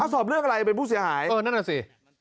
สอบเรื่องอะไรเป็นผู้เสียหายเออนั่นน่ะสิ